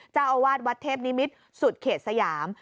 เจ้าอาวาสวัดเทพนิมิตรสุดเขตสยาม